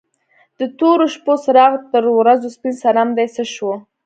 د تورو شپو څراغ تر ورځو سپین صنم دې څه شو؟